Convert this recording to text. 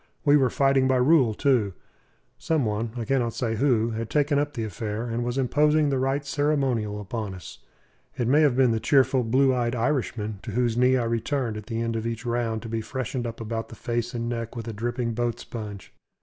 We were fighting by rule, too. Some one I cannot say who had taken up the affair, and was imposing the right ceremonial upon us. It may have been the cheerful, blue jerseyed Irishman, to whose knee I returned at the end of each round to be freshened up around the face and neck with a dripping boat sponge.